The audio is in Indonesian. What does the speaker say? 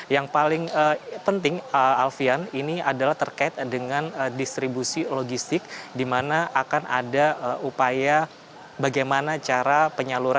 yang paling penting alfian ini adalah terkait dengan distribusi logistik di mana akan ada upaya bagaimana cara penyaluran